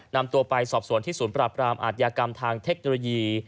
นำตัวไปสอบสวนที่ศูนย์ปราบรามอาทยากรรมทางเทคโนโลยี